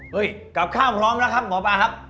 กับข้าวพร้อมแล้วครับหมอปลาครับ